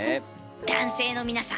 男性の皆さん